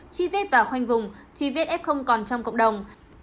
truy vết và khoanh vùng truy vết f còn trong cộng đồng